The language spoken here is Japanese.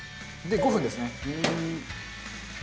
で５分ですね。